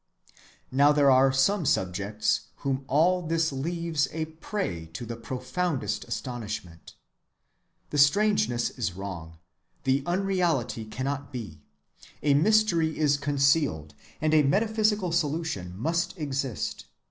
(79) Now there are some subjects whom all this leaves a prey to the profoundest astonishment. The strangeness is wrong. The unreality cannot be. A mystery is concealed, and a metaphysical solution must exist.